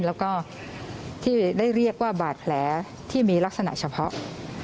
แล้วก็ที่ได้เรียกว่าบาดแผลที่มีลักษณะเฉพาะ